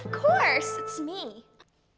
tentu saja itu gue